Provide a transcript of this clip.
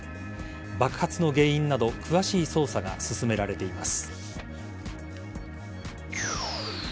爆発の原因など詳しい捜査が進められています。